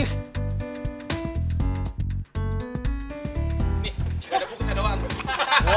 nih beda buku saya doang